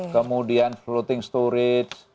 kemudian floating storage